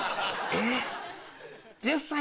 えっ。